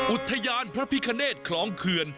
อุธยานพระพิเคเนตรคล้องเผือน